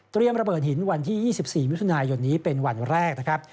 เตรียมระเบิดหินวันที่๒๔มิถุนายนี้เป็นวันแรก